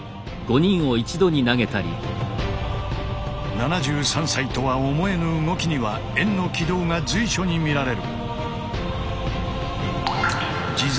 ７３歳とは思えぬ動きには円の軌道が随所に見られる。